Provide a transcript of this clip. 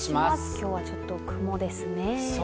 今日はちょっと雲ですね。